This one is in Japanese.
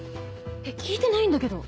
えっ聞いてないんだけど。